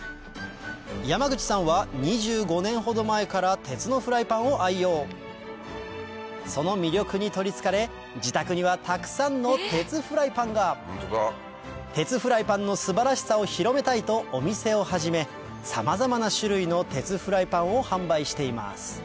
山口さんは２５年ほど前から鉄のフライパンを愛用その魅力に取りつかれ自宅にはたくさんの鉄フライパンが鉄フライパンの素晴らしさを広めたいとお店を始めさまざまな種類の鉄フライパンを販売しています